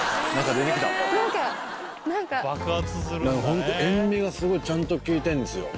ホント塩味がすごいちゃんと効いてんですよ。